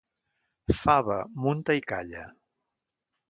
Fava, munta i calla.